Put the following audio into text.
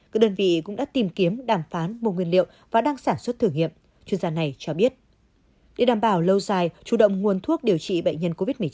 các đơn vị cũng đã tìm kiếm đàm phán mua nguyên liệu và đang sản xuất thử nghiệm chuyên gia này cho biết